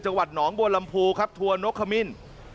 จังหวัดหนองโบรามพูครับทัวร์นกคามิน